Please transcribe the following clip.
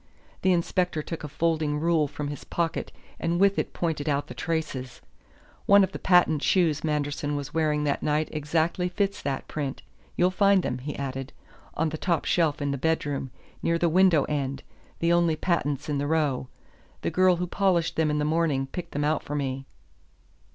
The inspector took a folding rule from his pocket and with it pointed out the traces. "One of the patent shoes Manderson was wearing that night exactly fits that print you'll find them," he added, "on the top shelf in the bedroom, near the window end, the only patents in the row. The girl who polished them in the morning picked them out for me."